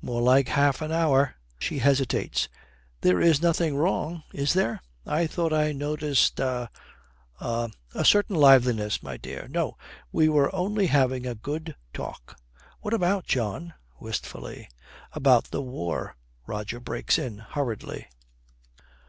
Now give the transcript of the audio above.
'More like half an hour.' She hesitates. 'There is nothing wrong, is there? I thought I noticed a a ' 'A certain liveliness, my dear. No, we were only having a good talk.' 'What about, John?' wistfully. 'About the war,' Roger breaks in hurriedly.